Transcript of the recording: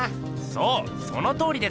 そうそのとおりです！